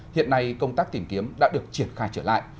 hiện nay công tác tìm kiếm đã được triển khai trở lại